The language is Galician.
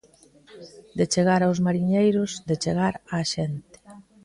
De chegar aos mariñeiros, de chegar á xente.